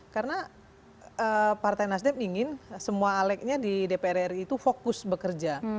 karena partai nasdem ingin semua alegnya di dpr ri itu fokus bekerja